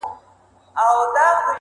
دا لالونه- غرونه- غرونه دمن زما دی-